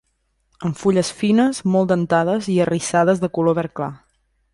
Amb fulles fines, molt dentades i arrissades de color verd clar.